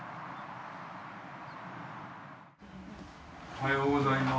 おはようございます。